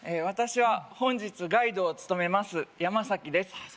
私は本日ガイドを務めます山崎です